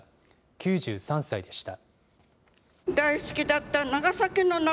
９３歳でした。